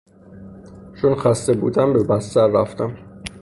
چون خسته بودم به بستر رفتم.